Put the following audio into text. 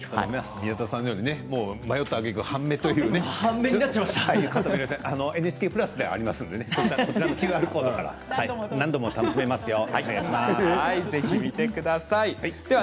宮田さんのように迷ったあげく半目という方もねＮＨＫプラスでありますのでねこちらのＱＲコードから何度も楽しめますよ